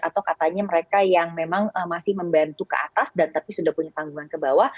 atau katanya mereka yang memang masih membantu ke atas dan tapi sudah punya tanggungan ke bawah